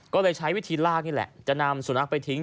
ก็เลยใช้วิธีลากนี่แหละจะนำสุนัขไปทิ้ง